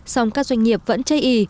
xong các doanh nghiệp vẫn chây y